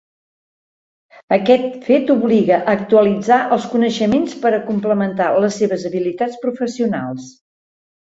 Aquest fet obliga a actualitzar els coneixements per a complementar les seves habilitats professionals.